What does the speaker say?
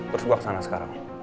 terus gue kesana sekarang